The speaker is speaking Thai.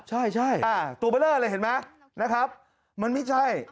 ใช่ตัวเบลอร์อะไรเห็นไหมนะครับมันไม่ใช่